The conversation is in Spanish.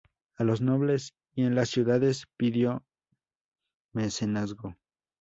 A los nobles y en las ciudades pidió mecenazgo.